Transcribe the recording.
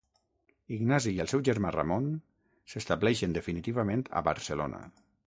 Ignasi i el seu germà Ramon s'estableixen definitivament a Barcelona.